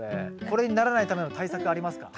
これにならないための対策ありますか？